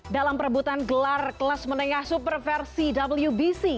dalam perebutan gelar kelas menengah superversi wbc